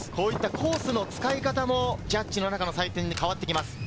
コースの使い方もジャッジの中の採点で変わってきます。